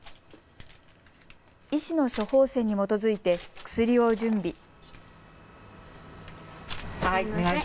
医師の処方箋に基づいて薬を準備。